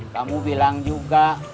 kamu bilang juga